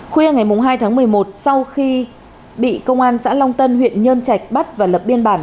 khuya ngày hai tháng một mươi một sau khi bị công an xã long tân huyện nhơn trạch bắt và lập biên bản